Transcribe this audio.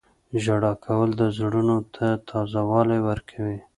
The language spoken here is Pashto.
• ژړا کول د زړونو ته تازه والی ورکوي.